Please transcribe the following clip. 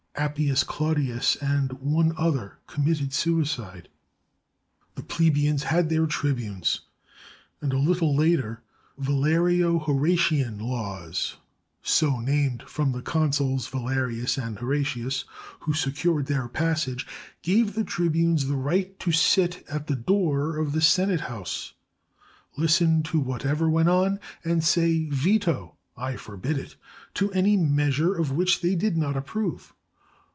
Appius Claudius and one other committed sui cide. The plebeians had their tribunes; and a little later the " Valerio Horatian Laws," so named from the consuls Valerius and Horatius, who secured their passage, gave the tribunes the right to sit at the door of the Senate house, listen to whatever went on, and say. Veto {I for bid it), to any measure of which they did not approve.